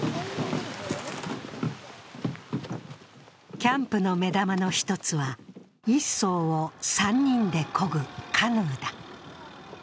キャンプの目玉の１つは、１槽を３人でこぐカヌーだ。